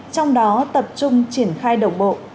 trong đó tập trung triển khai đồng bộ